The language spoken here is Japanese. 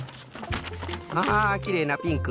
ああきれいなピンク。